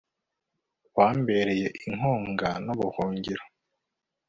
wambereye inkunga n'ubuhungiro